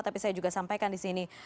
tapi saya juga sampaikan di sini